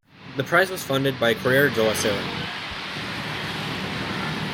The prize was funded by "Corriere della Sera".